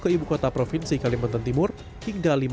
ke ibu kota provinsi kalimantan timur hingga lima jam